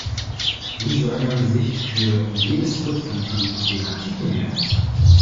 Wie soll man sich für jedes Substantiv den Artikel merken?